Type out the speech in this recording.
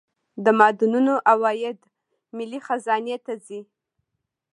د معدنونو عواید ملي خزانې ته ځي